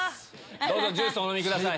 どうぞジュースお飲みください。